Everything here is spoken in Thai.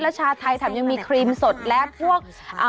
และชาไทยแถมยังมีครีมสดและพวก